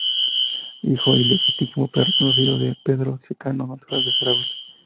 Hijo ilegítimo, pero reconocido, de Pedro Secano, natural de Zaragoza.